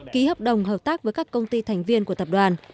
ký hợp đồng hợp tác với các công ty thành viên của tập đoàn